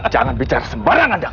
jangan bicara sembarangan